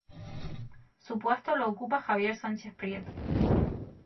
Su puesto lo ocupa Javier Sánchez-Prieto.